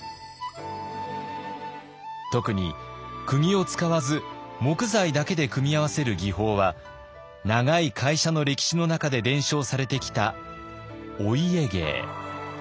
特にくぎを使わず木材だけで組み合わせる技法は長い会社の歴史の中で伝承されてきたお家芸。